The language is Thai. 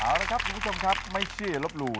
เอาละครับคุณผู้ชมครับไม่เชื่ออย่าลบหลู่